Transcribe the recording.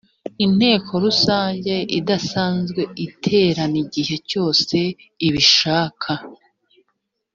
inteko rusange idasanzwe iterana igihe cyose ibishak